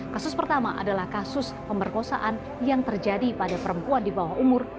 kasus pertama adalah kasus pemerkosaan yang terjadi pada perempuan di bawah umur